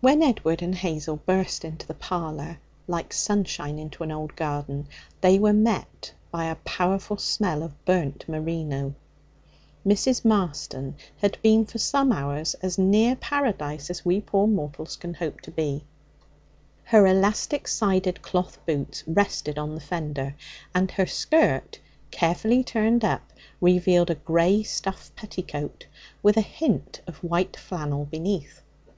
When Edward and Hazel burst into the parlour, like sunshine into an old garden, they were met by a powerful smell of burnt merino. Mrs. Marston had been for some hours as near Paradise as we poor mortals can hope to be. Her elastic sided cloth boots rested on the fender, and her skirt, carefully turned up, revealed a grey stuff petticoat with a hint of white flannel beneath.